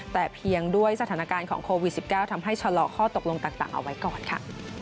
แต่เพียงด้วยสถานการณ์ของโควิด๑๙ทำให้ชะลอข้อตกลงต่างเอาไว้ก่อนค่ะ